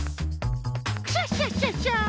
クシャシャシャシャ！